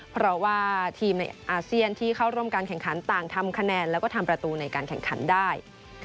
เพราะว่าทีมในอาเซียนที่เข้าร่วมการแข่งขันต่างทำคะแนนแล้วก็ทำประตูในการแข่งขันได้